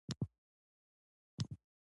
په دې موادو کې کانونه او اوسپنه شامل دي.